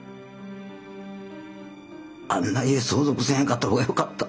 あんな家相続せえへんかった方がよかった。